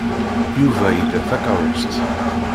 Yuba ila takeṛṛust.